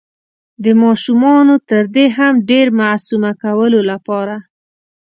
د ماشومانو تر دې هم ډير معصومه کولو لپاره